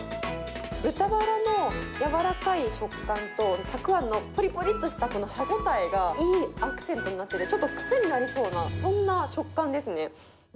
豚バラの柔らかい食感と、たくあんのぽりぽりっとしたこの歯応えが、いいアクセントになってて、ちょっと癖になりそうな、そんな食感ですね。